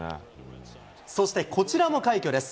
そして、こちらも快挙です。